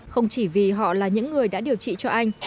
không chỉ vì họ là những người đã điều trị cho anh